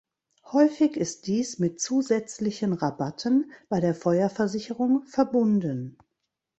Häufig ist dies mit zusätzlichen Rabatten bei der Feuerversicherung verbunden.